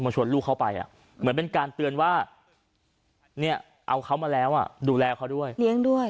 ชีวิตแรกชีวิตอะไรประมาณเนี่ย